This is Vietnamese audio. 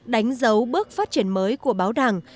đánh dấu bước phát triển mới của báo đảng